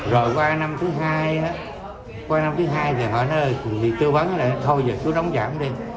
rồi qua năm thứ hai qua năm thứ hai thì họ nói tư vấn là thôi giờ tôi đóng giảm đi